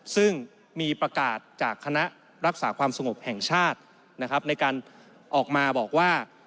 ซึ่งมีประกาศจากคณะรักษาความสงบแห่งชาตินะครับในการออกมาบอกว่า